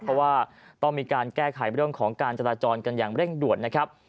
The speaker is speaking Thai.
เพราะว่าต้องมีการแก้ไขเรื่องของการจราจรกันอย่างเร่งด่วนนะครับ